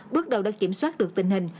bước đầu đã kiểm soát được tình hình